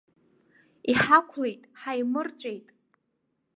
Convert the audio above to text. Иҳақәлеит, ҳаимырҵәеит!